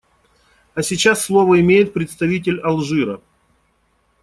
А сейчас слово имеет представитель Алжира.